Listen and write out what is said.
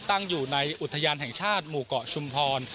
ตั้งอยู่ในอุทยานแห่งชาติหมู่เกาะชุมพร